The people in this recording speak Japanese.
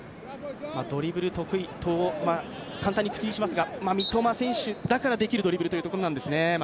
ドリブル得意と簡単に口にしますが三笘選手だからできるドリブルということなんですね。